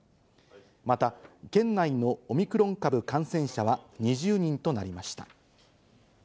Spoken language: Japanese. また、県内のオミクロン株感染者は２０人となりました。